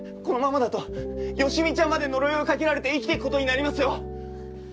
このままだと好美ちゃんまで呪いをかけられて生きていく事になりますよ。